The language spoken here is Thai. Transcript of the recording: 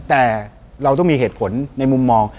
แต่เราต้องมีเหตุผลในมุมมอง